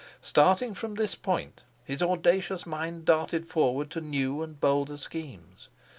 Starting from this point, his audacious mind darted forward to new and bolder schemes.